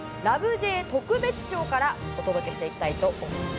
Ｊ特別賞からお届けしていきたいと思います。